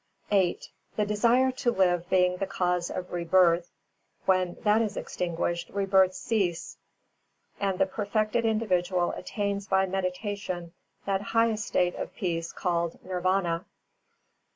VIII The desire to live being the cause of rebirth, when that is extinguished rebirths cease and the perfected individual attains by meditation that highest state of peace called Nirvāna.